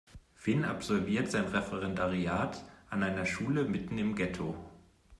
Finn absolviert sein Referendariat an einer Schule mitten im Ghetto.